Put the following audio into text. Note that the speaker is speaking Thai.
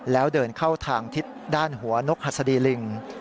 แล้วเดินเข้าทางทิศด้านหัวนกหัสดีลิง